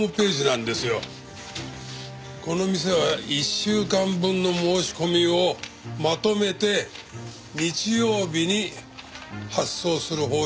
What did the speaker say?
この店は１週間分の申し込みをまとめて日曜日に発送する方式を取ってます。